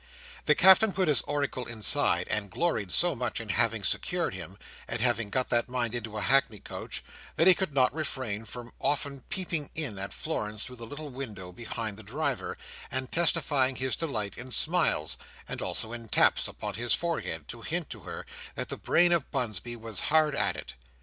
The Captain put his oracle inside, and gloried so much in having secured him, and having got that mind into a hackney coach, that he could not refrain from often peeping in at Florence through the little window behind the driver, and testifying his delight in smiles, and also in taps upon his forehead, to hint to her that the brain of Bunsby was hard at it.